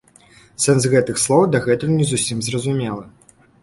Сэнс гэтых слоў дагэтуль не зусім зразумелы.